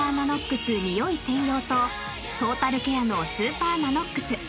ニオイ専用とトータルケアのスーパーＮＡＮＯＸ